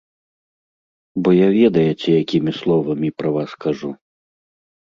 Бо я ведаеце якімі словамі пра вас кажу.